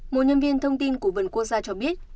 một nhân viên thông tin của vườn quốc gia cho biết